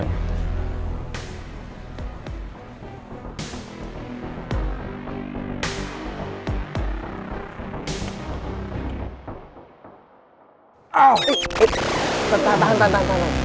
tahan tahan tahan